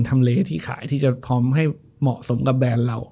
ทำเลที่ขายที่จะพร้อมให้เหมาะสมกับแบรนด์เรา